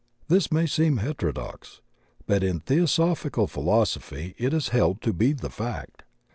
This may seem heterodox, but in Theosophical philosophy it is held to be the fact.